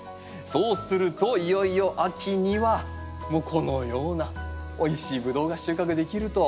そうするといよいよ秋にはこのようなおいしいブドウが収穫できると。